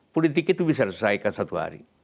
politik itu bisa diselesaikan satu hari